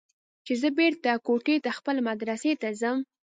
چې زه بېرته کوټې ته خپلې مدرسې ته ځم.